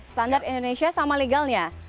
standar indonesia sama legal nya